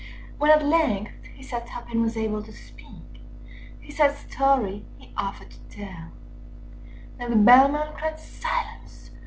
When at length he sat up and was able to speak, Â Â Â Â His sad story he offered to tell; And the Bellman cried "Silence!